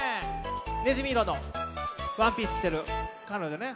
ねずみいろのワンピースきてるかのじょね。